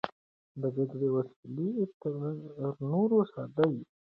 د جګړې وسلې تر نورو ساده وې.